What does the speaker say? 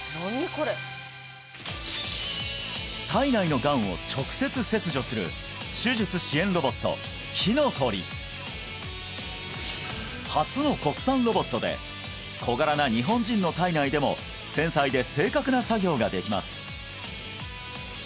これ体内のがんを直接切除する初の国産ロボットで小柄な日本人の体内でも繊細で正確な作業ができます